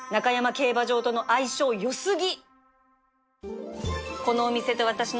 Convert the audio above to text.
競馬場との相性良過ぎ